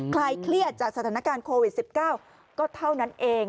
ลายเครียดจากสถานการณ์โควิด๑๙ก็เท่านั้นเอง